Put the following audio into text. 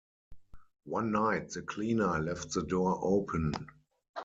One night the cleaner left the door open.